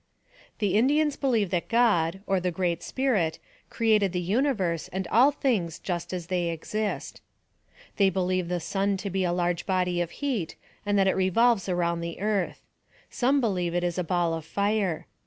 The Indians believe that God, or the Great Spirit, created the universe and all things just as they exist. They believe the sun to be a large body of heat, and that it revolves around the earth. Some believe it is a ball of fire.